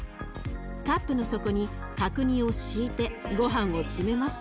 カップの底に角煮を敷いてごはんを詰めます。